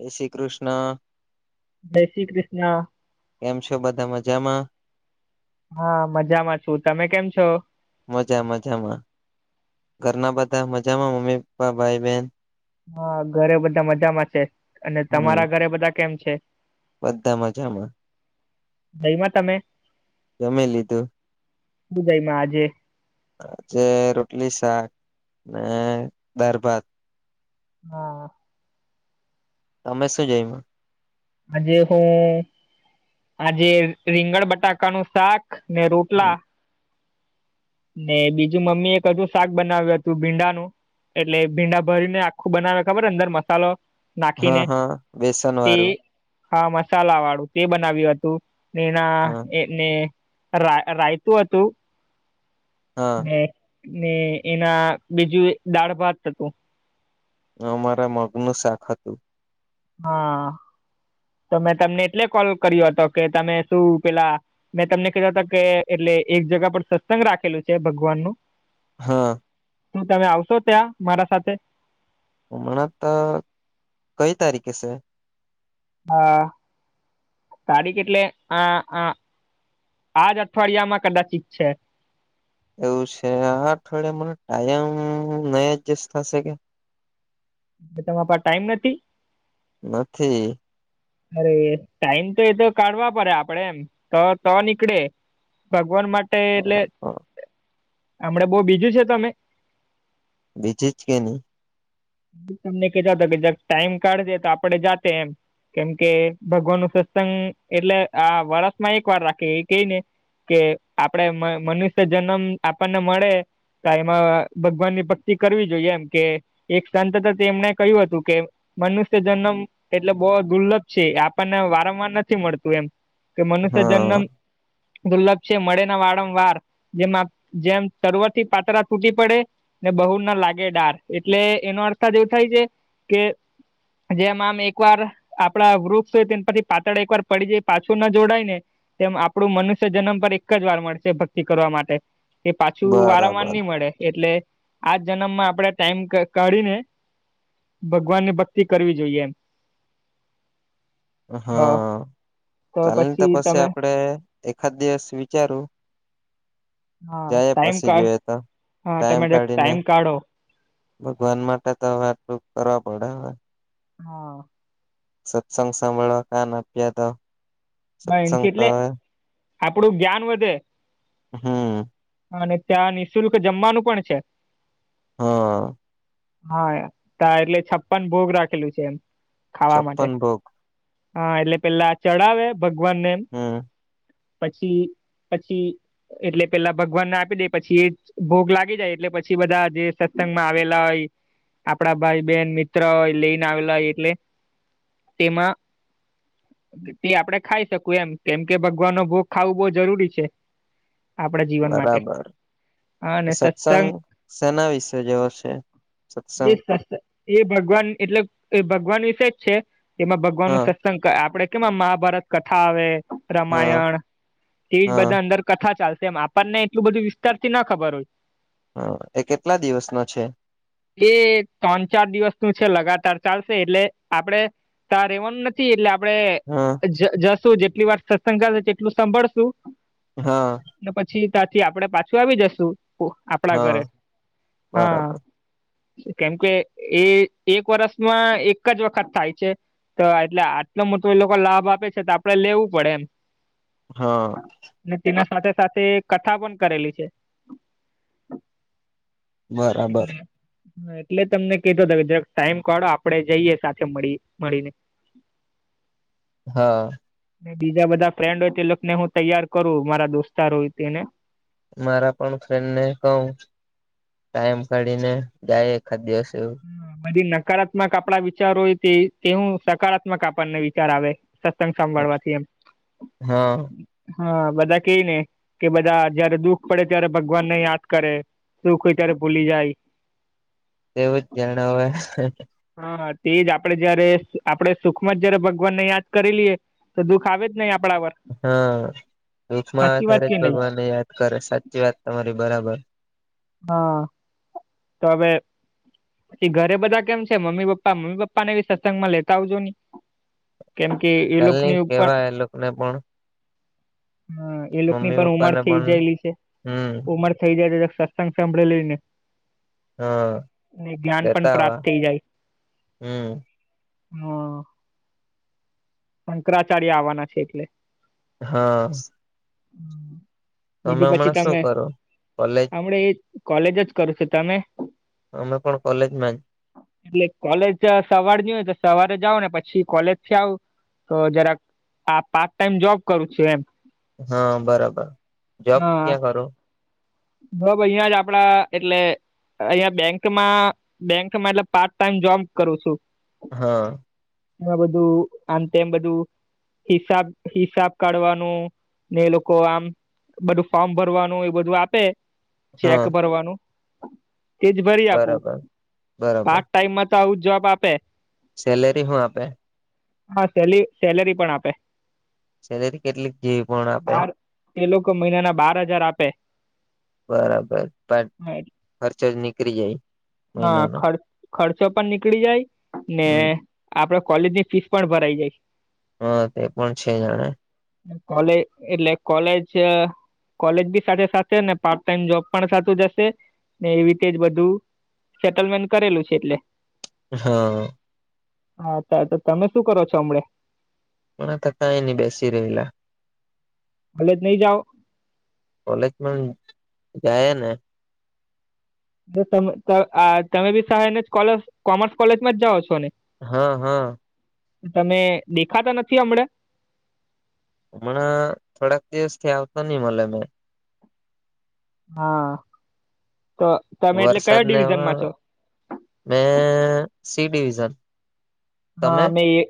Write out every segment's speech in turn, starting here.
જયશ્રીકૃષ્ણ. જયશ્રીકૃષ્ણ. કેમ છો બધા મજામાં? હા મજામાં છું તમે કેમ છો? મજા મજામાં ઘરના બધા મજામાં મમ્મી, પપ્પા, ભાઈ, બહેન હા ઘરે બધા મજામાં છે. અને હમ તમારા ઘરે બધા કેમ છે? બધા મજામાં. જમ્યા તમે? જમી લીધું. શું જમ્યા આજે? આજે રોટલી, શાક અને દાળ, ભાત હા. તમે શું જમ્યા? આજે હું આજે રીંગણ બટાકાનું શાક ને રોટલા ને બીજું મમ્મી એક હજું શાક બનાવ્યું હતું ભીંડાનું એટલે ભીંડા ભરીને આખું બનાવે ખબર અંદર મસાલો હા નાખીને હા બેસન તે વાળું હા મસાલા વાળું તે બનાવ્યું હતું એના હા ને રાયતું હતું. હા. ને ને એના બીજું દાળ ભાત હતું. અમારે મગનું શાક હતું. હા તો મેં તમને એટલે કોલ કર્યો હતો કે તમે શું પેલા? મેં તમને કેતા હતા કે એટલે એક જગા પર સત્સંગ રાખેલું છે ભગવાનનું. હા. શું તમે આવશો ત્યાં મારા સાથે હમણા તો કઈ તારીખે છે? હા. તારીખ એટલે આ આજ અઠવાડિયામાં કદાચિત છે. એવું છે આ અઠવાડિયે મને ટાઈમ નહી એડજસ્ટ થશે કે એ તમારા પાસે ટાઈમ નથી. નથી. અરે ટાઈમ તો એતો કાઢવા પડે આપડે એમ તો તો નીકળે. ભગવાન માટે એટલે હમણા બહુ બીજી છો તમે? બીજી છે કે નહી? તમને કતા કે જ ટાઈમ કાઢજે તો આપડે જાતે એમ. કેમ કે ભગવાન નું સત્સંગ એટલે આ વરષમાં એક વાર રાખે એ ક ને. કે આપડે મનુષ્ય જન્મ આપણને મળે. તો એમાં ભગવાનની ભક્તિ કરવી જોઈએ એમ કે એક સંતત એમને કહ્યું હતું કે. મનુષ્ય જન્મ એટલે બહ દુર્લભ છે આપણને વારંવાર નથી મળતું એમ. કે મનુષ્ય હા જન્મ દુર્લભ છે મળે ના વારંવાર. જેમાં જેમ સરવર થી પાત્રા તૂટી પડે ને બહુ ના લાગે ડાર. એટલે એનો અર્થ જ એવું થાય છે કે જેમ આમ એકવાર. આપડા વૃક્ષ હોય તેના પરથી પાતળ એકવાર પડી જાય પાછું ના જોડાય ને. તેમ આપણું મનુષ્ય જન્મ પર એક જ વાર મળશે ભક્તિ કરવા માટે. એ પાછું વારંવાર બરાબર નહી મળે એટલે આજ જન્મમાં આપડે ટાઈમ. કા કાઢીને ભગવાન ની ભક્તિ કરવી જોઈએ એમ. [inaudible] હા ચાલ ની તો પછી પસી તમે આપડે એકાદ દિવસ વિચારું. હા જાયે ટાઈમ પસી કાઢ જોઈએ તા હા ટાઈમ તમે કાઢીને. ટાઈમ કાઢો ભગવાન માટે તો હવે આટલું કરવા પડે હા. હા. સત્સંગ સાંભળ રાખવાનું કયાં તો નાય સત્સંગ તો એટલે હવે આપડું જ્ઞાન વધે. હા. અને ત્યાં નિઃશુલ્ક જમવાનું પણ છે. હા. હા તા એટલે છપ્પન ભોગ રાખેલું છે એમ. ખાવા માટે છપ્પન ભોગ હા એટલે પેલા ચડાવે ભગવાનને એમ. હમ પછી પછી એટલે પેલા ભગવાનને આપી દે પછી ભોગ લાગી જાય એટલે પછી બધા જે સત્સંગ માં આવેલા હોય આપણા ભાઈ, બહેન, મિત્ર લઈને આવેલા હોય એટલે તેમાં તે આપડે ખાઈ શકું એમ કેમ કે ભગવાનનો ભોગ ખાવો બો જરૂરી છે. આપણા જીવન માટે. બરાબર હા, અને સત્સંગ સેના વિશે જેવો છે એ સત્સંગ. સત્સ- એ ભગવાન એટલે એ ભગવાન વિસે જ છે એમાં ભગવાનનું હા સત સત્સંગ આપડે કેમાં મહાભારત કથા આવે. હા રામાયણ એજ હા બધા અંદર કથા ચાલશે એમ આપ આપણ ને એટલું બધું વિસ્તાર થી ન ખબર હોય. હા એ કેટલા દિવસ નો છે? એ ત્રણ ચાર દિવસનું છે લગાતાર ચાલશે એટલે આપડે તા રેવાનું ને થી એટલે આપડે હા જ જા સુધી જેટલી વાર સત્સંગ ચાલશે તેટલું સાંભળશું. હા. ને પછી ત્યાંથી આપડે પાછું આવી જશું આપડા હા ઘરે હા. બરાબર કેમ કે એ એક વર્ષમાં એક જ વખત થાય છે. તો એટલે આટલો મોટો એ લોકો લાભ આપે છે તો આપડે લેવું પડે એમ. હા. ને તેના સાથે સાથે કથા પણ કરેલી છે. બરાબર એટલે. એટલે તમને કેતો તો ટાઈમ કાઢો આપડે જઈએ સાથે મળી મળીને. હા. ને બીજા બધા ફ્રેન્ડ હોય તેને હું તૈયાર કરું મારા દોસ્તાર હોય તેને. મારા પણ ફ્રેન્ડ ને કઉ. ટાઈમ કાઢીને જાયે એખાદ દિવસે હા પછી નકારાત્મક આપડા વિચાર હોય તે હું સકારાત્મક આપણને વિચાર આવે. સત્સંગ સાંભળવાથી એમ. હા હા બધા કેય ને કે બધા જયારે દુઃખ પડે ત્યારે ભગવાનને યાદ કરે. સુખ હોય ત્યારે ભૂલી જાય. તેવું જ જણાવે. હા તે જ આપડે જયારે આપડે સુખમાં જયારે ભગવાનને યાદ કરી લઈએ તો દુઃખ આવે જ નય આપડા પર. હા દુઃખ ના સાચી વાત આધારે જ કે નહી ભગવાનને યાદ કરે સાચી વાત તમારી બરાબર. હા તમે થી ઘરે બધા કેમ છે મમ્મી, પપ્પા. મમ્મી, પપ્પા ને ભી સત્સંગમાં લેતા આવજો ની. કેમ કે એ ચાલ ની લોકોની ઉંપણ કેવા એ લોકોને પણ હા એ લોકની મમ્મી પણ ઉંમર પપ્પાને થઇ પણ જાયેલી છે હમ ઉંમર થઈ જાય એટલે [unintelligible] કાઈ સાંભળી લયને [unintelligible] હા જ્ઞાન પણ લેતા આવા પ્રાપ્ત થઈ જાય. હમ હમ શંકરાચાર્ય આવવાના છે એટલે હા [unintelligible] [unintelligible] તમેં હમણાં શુંકરો કોલેજ હમડે એજ કોલેજ જ કરું છે તમે અમે પણ કોલેજ માં એટલે કોલેજ સવાર ની હોય તો સવારે જાવ ને પછી કોલેજથી આવું. તો જરાક આ પાર્ટટાઈમ જોબ કરું છું એમ હ બરાબર જોબ હા ક્યાં કરો [unintelligible] અહિયાં જ આપડા એટલે અહિયાં બેંકમાં બેંકમાં એટલે પાર્ટટાઈમ જોબ કરું છું. હા આ બધું [unintelligible] તેમ બધું હિસાબ હિસાબ કાઢવાનો ને એલોકો આમ બધું ફોર્મ ભરવાનું એવુ બધું આપે હા ચેક ભરવાનું તેજ ભરી આપું બરાબર બરાબર પાર્ટટાઈમમાં તો આવું જવાબ આપે. સેલરી સુ આપે હા સેલી સેલરી પણ આપે સેલરી કેટલીક જેવી પણ આપે બાર એ લોકો મહિનાના બારહજાર આપે બરાબર [unintelligible] સાય ખરચો નીકરીજાય. હા ખર્ચ ખર્ચો પણ નીકળી જાય ને હમ આપડે કોલેજ ની ફીસ પણ ભરાઈ જાય હ તે પણ છે જાણે કોલે એટલે કોલેજ કોલેજ બી સાથે સાથે ને પાર્ટટાઈમ જોબ પણ સાથે સાથે ને એવી રીતે જ બધું સેટલમેન કરેલું છે એટલે હ હા તાતો તમે શું કરો છો હમડે [unintelligible] થકાઈને બેસી રહેલા. કોલેજ નહી જાઓ? કોલેજ પણ જાયે ને તો તમ ત આ તમે બી શાયદ કોલેજ કોમર્સ કોલેજમાં જ જાઓ છો ને હ હ તમે દેખાતા નથી હમણે હમણાં થોડાક દિવસ થી આવતો નઈ મલે મેં હા તો તમે એટલે વરસાદ કયા ને ડિવિઝન માં છો? મેં સી ડીવિઝન હા મેં એ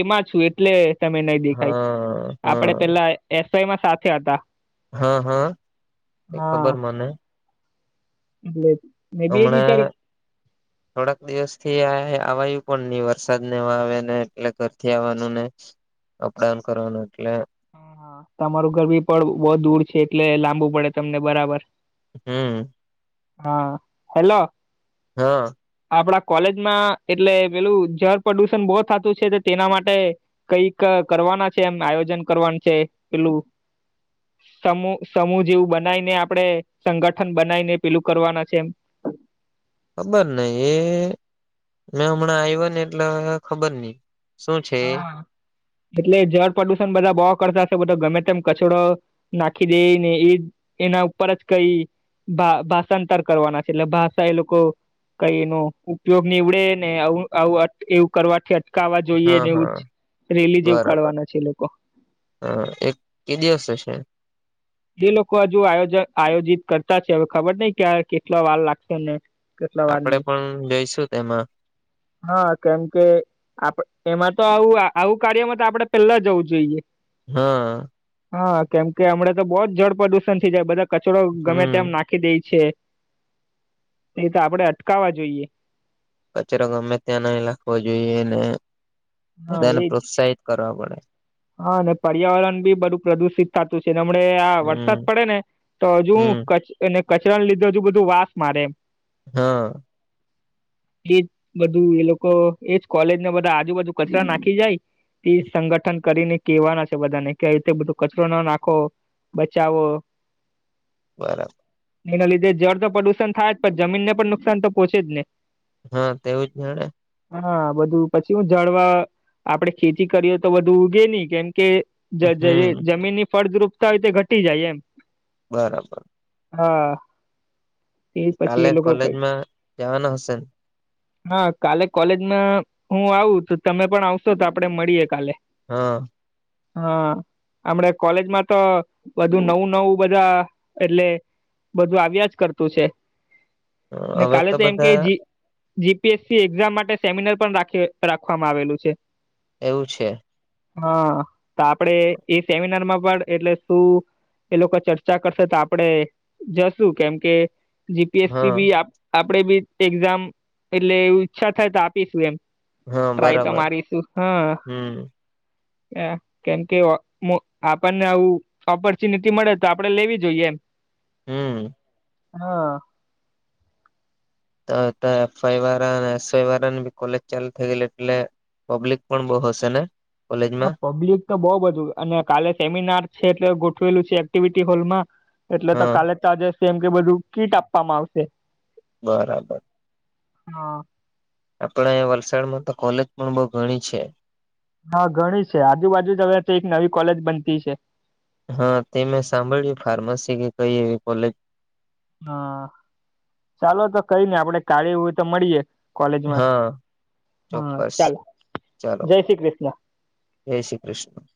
એમાં છું એટલે તમે નહી દેખાય-' હા આપણે હા પેલા એસ વાય માં સાથે હતા. હ હ એ ખબર મને એટલેજ હમણે [inaudible] થોડાક દિવસ થી આયા આવાયું પણ ની વરસાદ ને આવે ને એટલે ઘરથી આવવાનું ને અપડાઉન કરવાનું એટલે હા તમારું ઘર બી પણ બહ દૂર છે એટલે લાંબુ પડે તમને બરાબર હમ હા હેલો હા આપડા કોલેજમાં એટલે પેલું જળ પ્રદુષણ બો થાતુ છે તેના માટે કઈક કરવાના છે એમ આયોજન કરવાનું છે પેલું સમૂહ સમૂહ જેવું બનાવીને આપડણે સંગઠન બનાવીને પેલું કરવાના છે ખબર નહ એ મેં હમણાં આવ્યા ને એટલે ખબર નહ હા એટલે જળ પ્રદુષણ બધા બો કરતાશે બધા ગમે તેમ કચરો નાખી દેને એ એના ઉપર જ કઈ ભા ભાષાંતર કરવાના છે એટલે ભાષા એ લોકો કઈ એનો ઉપયોગ નીવડે ને આવું એવું કરવાથી અટકાવવા જોઈએ હા ને એવું હા રેલી જેવું કાઢવાના છે લોકો હ એક કે દિવસ હશે જે લોકો હજુ આયોજ આયોજિત કરતા હશે હવે ખબર નહ કે કેટલા વાર લાગશે ને કેટલા વાર આપડે નહી પણ જઈશું તેમાં હા કેમ કે આપ એમાં તો આવું આવું કાર્યમાં તો આપડે પેલા જવું જોઈએ હા હા કેમ કે હમણા તો બહુ જ જળ પ્રદુષણ થઈ જાય બધા કચરો ગમે તેમ હમ નાખી દે છે એ તો આપણેે અટકાવવા જોઈએ કચરો ગમે ત્યાં નઈ નાખવો જોઈએ ને હા બધાને એજ પ્રોત્સાહિત કરવા પડે હા ને પર્યાવરણ બી બધું પ્રદુષિત થતું હશે હમણે આ હમ વરસાદ પડે ને તો હજુ હમ કચરાને લીધું હજુ બધું વાસ મારે એમ હા [inaudible] એજ બધું એ લોકો એજ કોલેજને બધા આજુબાજુ કચરા નાખી જાય તે સંગઠન કરીને કેવાના છે બધાને કે આવી રીતે બધું કચરો ન નાખો બચાવો [inaudible] બઅ એના લીધે જળ તો પ્રદુષણ થાય જ પણ જમીનને પણ નુકસાન તો પોહોચે જ ને હા તેવુંજ ને હવે હા બધું પછી હું જળવા આપડે ખેતી કરીએ તો બધું ઉગે નહી કેમકે જ જ હમ જમીન ની ફળદ્રુપતા હોય તે ઘટી જાય એમ બરાબર હા એ પછી કાલે એ લોકો કઈ કોલેજમાં જવાના હશે. હા કાલે કોલેજમાં હું આવું તો તમે પણ આવશો તો આપડે મળીએે કાલે. હા. હા. આપણે કોલેજમાં તો વધુ નવું નવું બધા એટલે. બધું આવ્યા જ કરતું છે ને હવે કાલે તો એમ કે. બધા જીપીએસસી એક્ઝામ માટે સેમિનાર પણ રાખી રાખવામાં આવેલું છે. એવું છે. હા તો આપડે એ સેમિનાર માં પણ એટલે શું. એ લોકો ચર્ચા કરશે તો આપડે જશું કેમ કે. જીપીએસસી હા બી આપડે બી એક્ઝામ એટલે એ ઈચ્છા થાય તો આપીશું એમ. હા ટ્રાય તો બરાબર મારી શું હા. હમ એ કેમ કે આપણને આવું ઓપોર્ચ્યુનિટી મળે તો આપડે લેવી જોઈએ એમ. હમ. હા. તો તો એફ વાય વાળા ને એસ વાય વાળા ની ભી કોલેજ ચાલુ થઈ ગઈ એટલે પબ્લિક પણ બહુ હશે ને? કોલેજમાં પબ્લિક તો બહુ બધું અને કાલે સેમિનાર છે એટલે ગોઠવેલું છે એક્ટિવિટી હોલમાં એટલે તો હા કાલે તોજે સેમ કે બધું કીટ આપવામાં આવશે. બરાબર. હા. આપડે વલસાડમાં તો કોલેજ પણ બહુ ઘણી છે. હા ઘણી છે આજુબાજુ જગા છે તો એક નવી કોલેજ બનતી છે. હા તે મેં સાંભળ્યું ફાર્મસી કે કઈ એવી કોલેજ હા ચાલો તો કઈ આપડે કાલે એવું હોય તો મળીએે. કોલેજમાં. હા હા ચોક્કસ ચાલો. ચાલો જય શ્રી કૃષ્ણ. જય શ્રી કૃષ્ણ.